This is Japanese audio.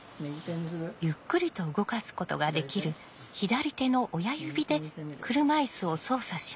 ゆっくりと動かすことができる左手の親指で車いすを操作します。